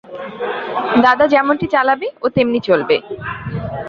দাদা যেমনটি চালাবে, ও তেমনি চলবে।